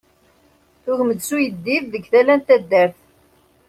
Tugem-d s uyeddid deg tala n taddart.